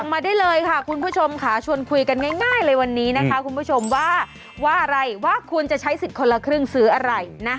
มาได้เลยค่ะคุณผู้ชมค่ะชวนคุยกันง่ายเลยวันนี้นะคะคุณผู้ชมว่าว่าอะไรว่าคุณจะใช้สิทธิ์คนละครึ่งซื้ออะไรนะ